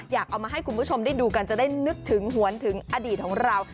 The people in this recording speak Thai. อยากเอามาให้คุณผู้ชมได้ดูกันจะได้นึกถึงหวนถึงอดีตของเรา